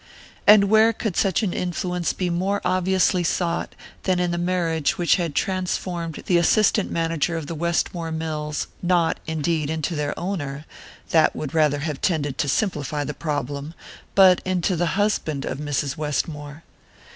And where could such an influence be more obviously sought than in the marriage which had transformed the assistant manager of the Westmore Mills not, indeed, into their owner that would rather have tended to simplify the problem but into the husband of Mrs. Westmore?